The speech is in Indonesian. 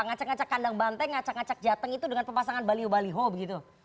ngacak ngacak kandang banteng ngacak ngacak jateng itu dengan pemasangan baliho baliho begitu